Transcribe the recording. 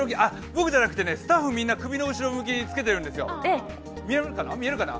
僕じゃなくてね、スタッフみんな首の後ろ向きにつけてるんですよ、見えるかな。